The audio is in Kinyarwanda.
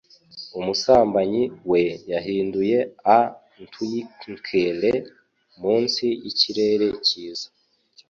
Umusambanyi we yahinduye a-twinkle, munsi yikirere cyiza.